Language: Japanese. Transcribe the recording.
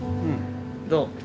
どう？